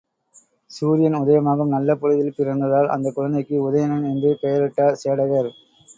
சூரியன் உதயமாகும் நல்ல பொழுதில் பிறந்ததால் அந்தக் குழந்தைக்கு உதயணன் என்று பெயரிட்டார் சேடகர்.